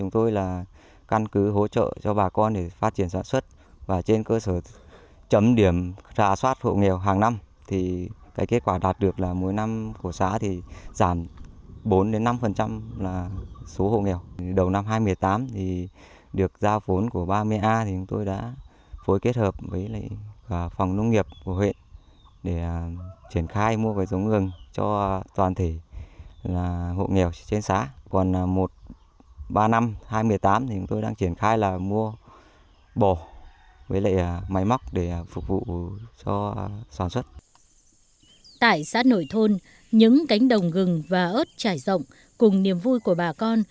tại xã nội thôn những cánh đồng gừng và ớt trải rộng cùng niềm vui của bà con